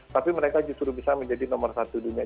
tapi mereka justru bisa menjadi nomor satu dunia